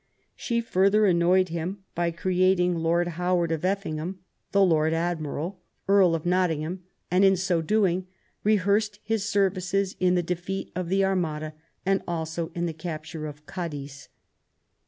She further annoyed him by creating Lord Howard of Effingham, the Lord Admiral, Earl of Nottingham, and in so doing rehearsed his services in the defeat of the Armada, and also in the capture of Cadiz.